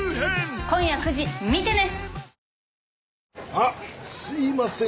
あっすいません